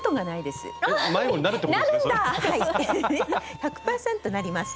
１００％なります。